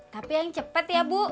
tapi yang cepat ya bu